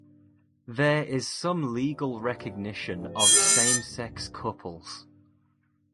There is some legal recognition of same-sex couples.